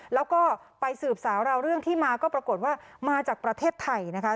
แล้วก็ไปสืบสาวราวเรื่องที่มาก็ปรากฏว่ามาจากประเทศไทยนะคะ